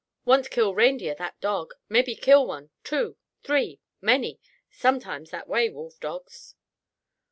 Want kill reindeer, that dog. Mebby kill one, two, three—many. Sometimes that way, wolfdogs."